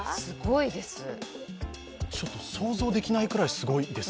すごいです。